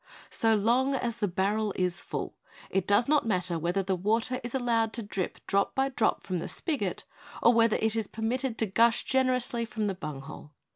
So long as the barrel is full it does not matter whether the water is allowed to drip drop by drop from the spigot or whether it is permitted to gush generously from the bung hole.